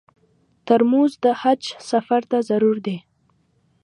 ترموز د حج سفر ته ضرور دی.